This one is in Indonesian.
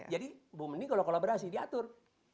jadi bu meni kalau kolaborasi diatur